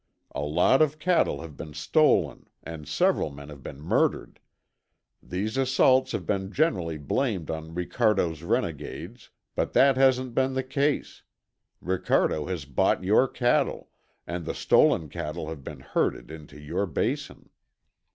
A lot of cattle have been stolen and several men have been murdered. These assaults have been generally blamed on Ricardo's renegades. But that hasn't been the case. Ricardo has bought your cattle, and the stolen cattle have been herded into your basin."